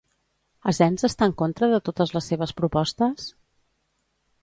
Asens està en contra de totes les seves propostes?